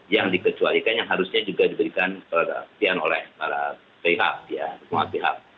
yang dikecualikan yang harusnya juga diberikan perhatian oleh para pihak ya semua pihak